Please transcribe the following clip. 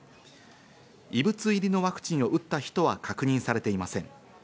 異物入りのワクチンを打った人は確認されていません。